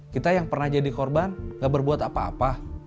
kita yang pernah jadi korban gak berbuat apa apa